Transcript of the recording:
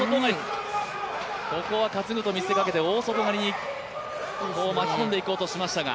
ここは担ぐと見せかけて大外刈りに巻き込んでいこうとしましたが。